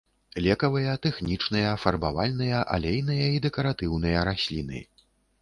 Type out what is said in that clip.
Лекавыя, тэхнічныя, фарбавальныя, алейныя і дэкаратыўныя расліны.